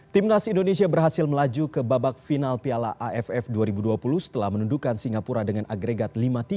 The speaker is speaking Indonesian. timnas indonesia berhasil melaju ke babak final piala aff dua ribu dua puluh setelah menundukan singapura dengan agregat lima tiga